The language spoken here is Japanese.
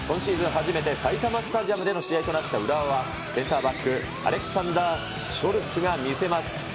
初めて埼玉スタジアムでの試合となった浦和は、センターバック、アレクサンダー・ショルツが見せます。